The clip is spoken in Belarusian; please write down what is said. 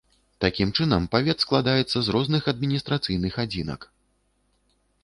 Такім чынам, павет складаецца з розных адміністрацыйных адзінак.